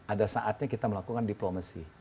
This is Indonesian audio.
ada saatnya kita melakukan diplomasi